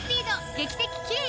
劇的キレイ！